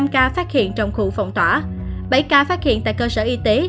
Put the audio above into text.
một mươi năm ca phát hiện trong khu phòng tỏa bảy ca phát hiện tại cơ sở y tế